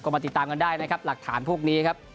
มาติดตามกันได้นะครับหลักฐานพวกนี้ครับ